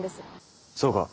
そうか。